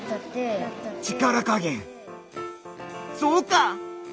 そうか！